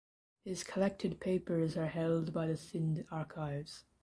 His collected papers are held by the Sindh Archives.